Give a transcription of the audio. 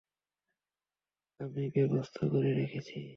আমি ব্যবস্থা করে রেখেছি।